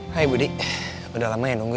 hai budi udah lama ya nunggu ya